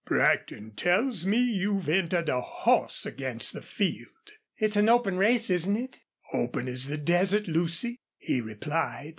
"Brackton tells me you've entered a hoss against the field." "It's an open race, isn't it?" "Open as the desert, Lucy," he replied.